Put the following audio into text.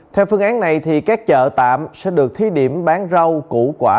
theo phương án này các chợ tạm sẽ được thí điểm bán rau củ quả